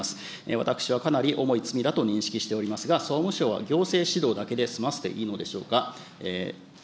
私はかなり重い罪だと認識しておりますが、総務省は行政指導だけで済ませていいのでしょうか。